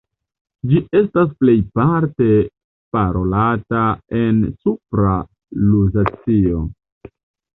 Ĝi estas plejparte parolata en Supra Luzacio.